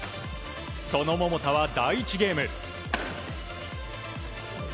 その桃田は第１ゲーム。